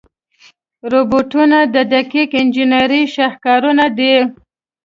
روبوټونه د دقیق انجنیري شاهکارونه دي.